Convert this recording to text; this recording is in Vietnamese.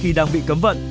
khi đang bị cấm vận